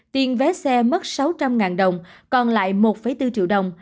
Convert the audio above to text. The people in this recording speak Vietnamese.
tiền vé xe mất sáu trăm linh đồng còn lại một bốn triệu đồng